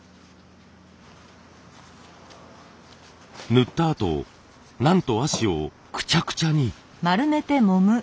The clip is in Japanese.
塗ったあとなんと和紙をくちゃくちゃに。